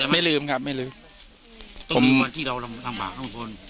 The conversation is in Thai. ไม่ลืมครับไม่ลืมผมวันที่เราลำบากข้างบน